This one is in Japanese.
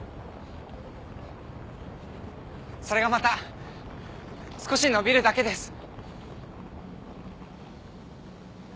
それがまた少し延びるだけです。